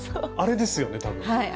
あれですよね多分。